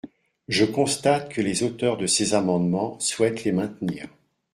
Je constate que les auteurs de ces amendements souhaitent les maintenir.